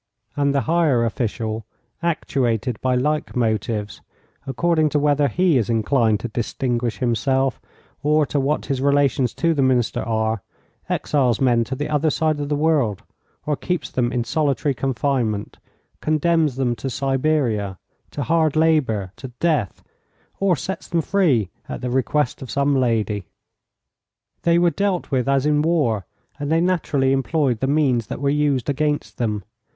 And the higher official, actuated by like motives, according to whether he is inclined to distinguish himself, or to what his relations to the minister are, exiles men to the other side of the world or keeps them in solitary confinement, condemns them to Siberia, to hard labour, to death, or sets them free at the request of some lady. They were dealt with as in war, and they naturally employed the means that were used against them.